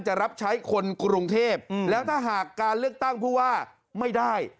จะรับใช้คนกรุงเทพแล้วถ้าหากการเลือกตั้งผู้ว่าไม่ได้